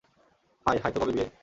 High -hi তো কবে বিয়ে?